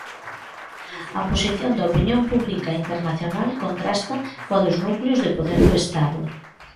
A posición da opinión pública internacional contrasta coa dos núcleos de poder do Estado.